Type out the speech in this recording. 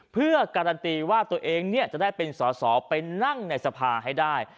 เพื่อการันตีว่าตัวเองจะได้เป็นสอสอไปนั่งในสภาให้ได้